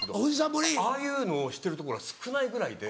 ああいうのをしてるところは少ないぐらいで。